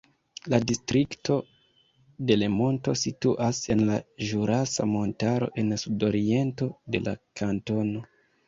La Distrikto Delemonto situas en la Ĵurasa Montaro en sudoriento de la kantono.